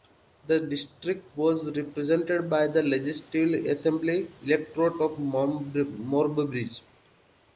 The district was represented by the Legislative Assembly electorate of Murrumbidgee.